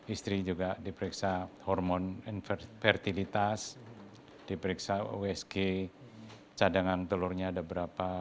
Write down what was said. istri juga diperiksa hormon invertilitas diperiksa osg cadangan telurnya ada berapa